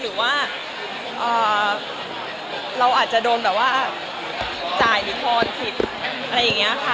เราอาจจะโดนแบบว่าจ่ายลิทรผิดอะไรอย่างนี้ค่ะ